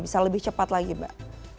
bisa lebih cepat lagi mbak